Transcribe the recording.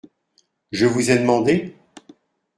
Je vous ai demandé ?